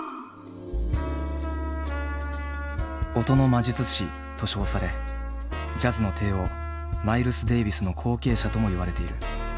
音の魔術師と称されジャズの帝王マイルス・デイヴィスの後継者とも言われている。